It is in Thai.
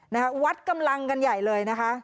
นะคะวัดกำลังกันใหญ่เลยนะคะ